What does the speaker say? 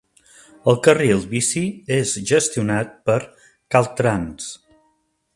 El carril bici és gestionat per Caltrans.